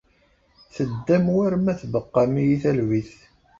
Teddam war ma tbeqqam-iyi talwit.